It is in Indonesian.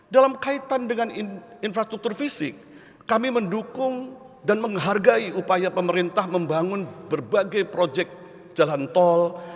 dalam kaitan dengan infrastruktur fisik kami mendukung dan menghargai upaya pemerintah membangun berbagai proyek jalan tol